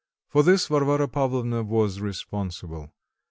For this Varvara Pavlovna was responsible.